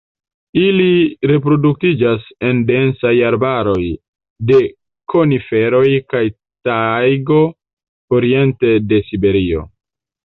Ili reproduktiĝas en densaj arbaroj de koniferoj kaj tajgo oriente de Siberio.